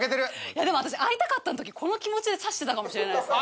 いやでも私『会いたかった』の時この気持ちでさしてたかもしれないです。